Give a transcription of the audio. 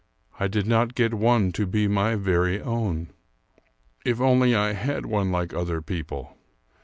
I did not get one to be my very own! If only I had one like other people!